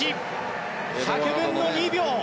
１００分の２秒。